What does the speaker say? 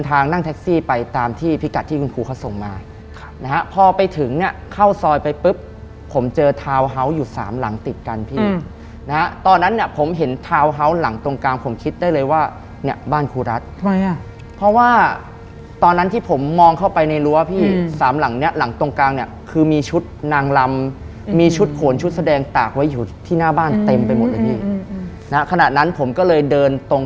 ตอนไปถึงเนี่ยเข้าซอยไปปุ๊บผมเจอทาวน์เฮาส์อยู่สามหลังติดกันพี่ตอนนั้นผมเห็นทาวน์เฮาส์หลังตรงกลางผมคิดได้เลยว่าเนี่ยบ้านครูรัฐเพราะว่าตอนนั้นที่ผมมองเข้าไปในรั้วพี่สามหลังเนี่ยหลังตรงกลางเนี่ยคือมีชุดนางลำมีชุดขนชุดแสดงตากไว้อยู่ที่หน้าบ้านเต็มไปหมดเลยพี่ขณะนั้นผมก็เลยเดินตรง